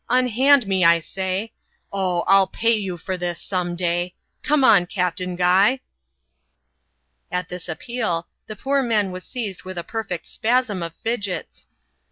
unhand me, I say ! Oh ! I'll pay you for this, some day ! Come on, Captain Guy!" At this appeal, the poor man was seized with a perfect spasm of fidgets.